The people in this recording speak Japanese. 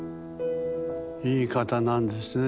いい方なんですね。